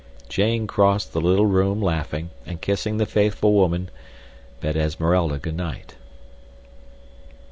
Jane crossed the little room, laughing, and kissing the faithful woman, bid Esmeralda good night.